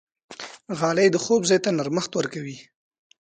غالۍ د خوب ځای ته نرمښت ورکوي.